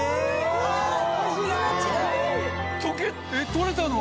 取れたの？